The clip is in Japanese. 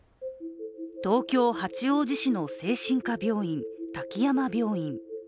東京・八王子市の精神科病院、滝山病院。